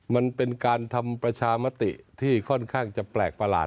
มันเป็นการทำประชามติที่ค่อนข้างจะแปลกประหลาด